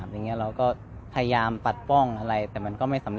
เวลาที่สุดตอนที่สุด